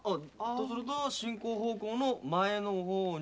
そうすると進行方向の前の方に。